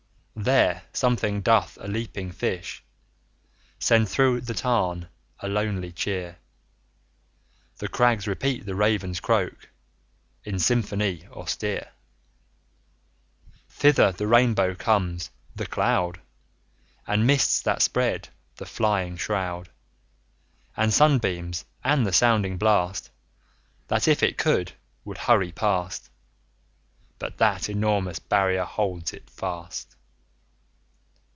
There sometimes doth a leaping fish 25 Send through the tarn a lonely cheer; The crags repeat the raven's croak, [C] In symphony austere; Thither the rainbow comes the cloud And mists that spread the flying shroud; 30 And sunbeams; and the sounding blast, That, if it could, would hurry past; But that enormous barrier holds it fast.